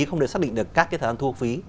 không thể xác định được các cái thời gian thu phí